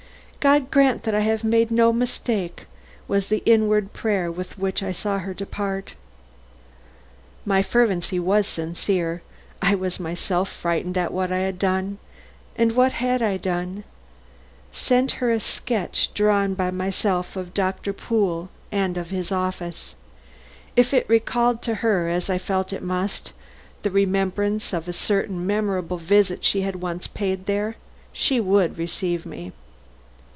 "God grant that I have made no mistake!" was the inward prayer with which I saw her depart. My fervency was sincere. I was myself frightened at what I had done. And what had I done? Sent her a sketch drawn by myself of Doctor Pool and of his office. If it recalled to her, as I felt it must, the remembrance of a certain memorable visit she had once paid there, she would receive me.